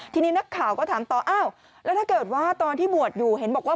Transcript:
ทีนี้นักข่าวก็ถามต่ออ้าวแล้วถ้าเกิดว่าตอนที่บวชอยู่เห็นบอกว่า